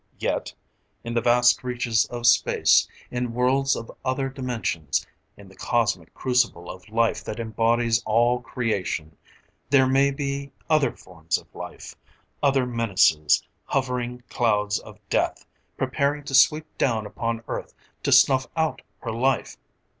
Yet in the vast reaches of space, in worlds of other dimensions, in the cosmic crucible of life that embodies all creation, there may be other forms of life, other menaces, hovering clouds of death, preparing to sweep down upon Earth to snuff out her life.